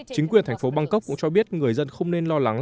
chính quyền thành phố bangkok cũng cho biết người dân không nên lo lắng